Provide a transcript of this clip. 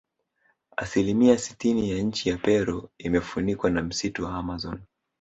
Asilimia sitini ya nchi ya Peru imefunikwa na msitu wa Amazon